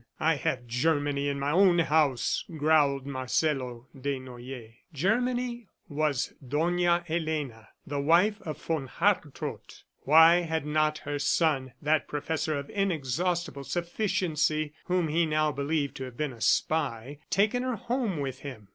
"I have Germany in my own house," growled Marcelo Desnoyers. "Germany" was Dona Elena, the wife of von Hartrott. Why had not her son that professor of inexhaustible sufficiency whom he now believed to have been a spy taken her home with him?